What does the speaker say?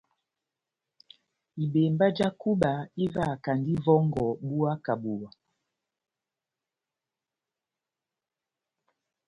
Ibembá já kuba ivahakand'ivòngò buwa kà buwa.